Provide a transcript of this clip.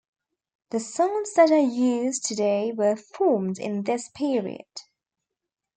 The sounds that are used today were formed in this period.